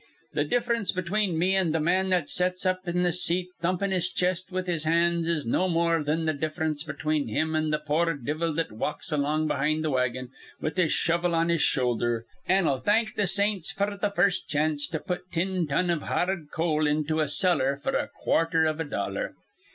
Th' diff'rence between me an' th' man that sets up in th' seat thumpin' his chest with his hands is no more thin th' diff'rence between him an' th' poor divvle that walks along behind th' wagon with his shovel on his shoulder, an' 'll thank th' saints f'r th' first chanst to put tin ton iv ha ard coal into a cellar f'r a quarther iv a dollar.